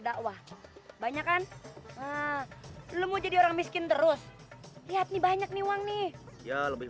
dari bawah banyak kan nah lo mau jadi orang miskin terusainti banyak niwang nih ya lebih